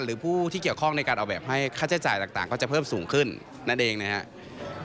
หรือผู้ที่เกี่ยวข้องในการออกแบบให้ค่าใช้จ่ายต่างก็จะเพิ่มสูงขึ้นนั่นเองนะครับ